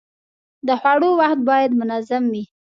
د خوړو وخت باید منظم وي.